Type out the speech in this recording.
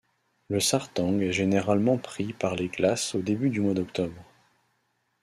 Le Sartang est généralement pris par les glaces au début du mois d'octobre.